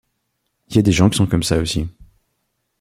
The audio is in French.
Il y a des gens qui sont comme ça, aussi.